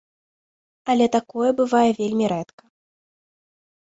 Але такое бывае вельмі рэдка.